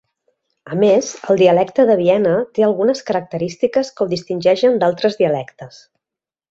A més, el dialecte de Viena té algunes característiques que ho distingeixen d'altres dialectes.